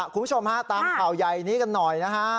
คุณผู้ชมฮะตามข่าวใหญ่นี้กันหน่อยนะฮะ